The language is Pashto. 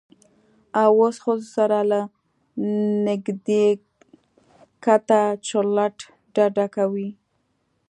او اوس ښځو سره له نږدیکته چورلټ ډډه کوي.